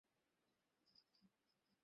এটা তোমার শেষ যাত্রা।